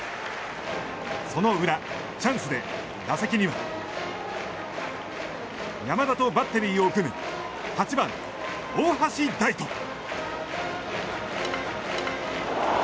その裏、チャンスで打席には山田とバッテリーを組む８番、大橋大翔。